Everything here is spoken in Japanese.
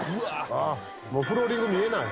もうフローリング見えない。